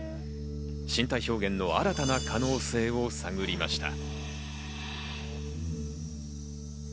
身体表現の新たな可能性を探りました。